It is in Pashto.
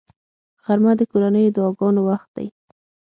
غرمه د کورنیو دعاګانو وخت دی